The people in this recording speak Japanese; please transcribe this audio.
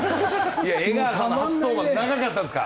いや江川さんの初登板長かったんですか？